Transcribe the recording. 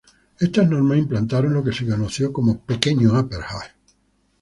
Estas normas implantaron lo que se conoció como "pequeño apartheid".